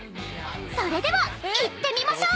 ［それではいってみましょう！］